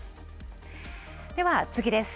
では次です。